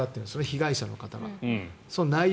被害者の方は。